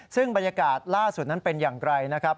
ซึ่งบรรยากาศล่าสุดนั้นเป็นอย่างไรนะครับ